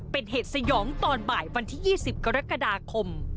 เป็นเหตุสยองตอนบ่ายวันที่๒๐กรกฎาคม